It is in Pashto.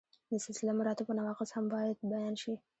د سلسله مراتبو نواقص هم باید بیان شي.